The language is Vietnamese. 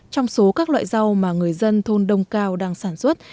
trong số các loại rau mà người dân thôn đông cao đang sản xuất